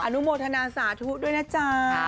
นุโมทนาสาธุด้วยนะจ๊ะ